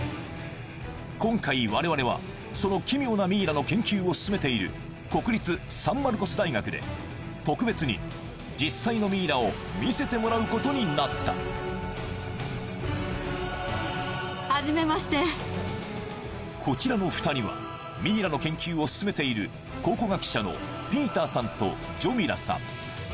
今回我々はその奇妙なミイラの研究を進めている国立サン・マルコス大学で特別に実際のミイラを見せてもらうことになったこちらの２人はミイラの研究を進めている考古学者のピーターさんとジョミラさん